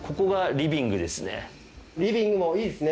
リビングもいいっすね。